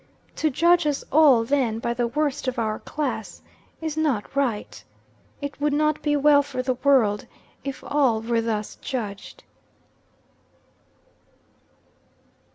To judge us all, then, by the worst of our class, is not right. It would not be well for the world if all were thus judged."